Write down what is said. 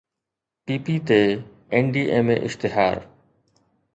P P T NDMA اشتهار